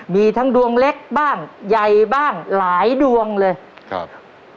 มีทั้งดวงเล็กบ้างใหญ่บ้างหลายดวงเลยครับ